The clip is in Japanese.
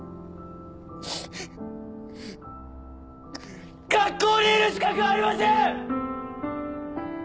学校にいる資格ありません！